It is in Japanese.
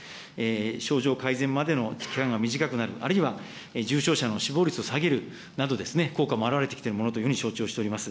症状改善までの期間が短くなる、あるいは重症者の死亡率を下げるなど、効果も表れてきているものというふうに承知をしております。